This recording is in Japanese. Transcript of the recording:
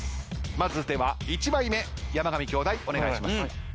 まずでは１枚目山上兄弟お願いします。